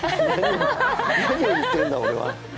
何を言ってるんだ、俺は。